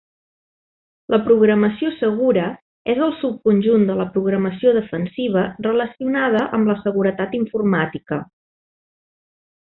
La programació segura és el subconjunt de la programació defensiva relacionada amb la seguretat informàtica.